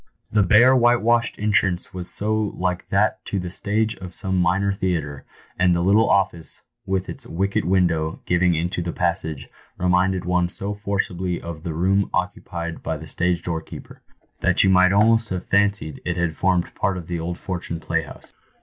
The bare whitewashed entrance was so like that to the stage of some minor theatre, and the little office, with its wicket window giving into the passage, reminded one so forcibly of the room occu pied by the stage door keeper, that you might almost have fancied it had formed part of the old Fortune Playhouse.